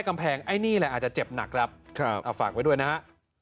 กำแพงไอ้นี่แหละอาจจะเจ็บหนักครับเอาฝากไว้ด้วยนะฮะ